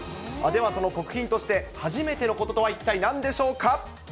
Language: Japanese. ではその国賓として、初めてのこととは一体、なんでしょうか？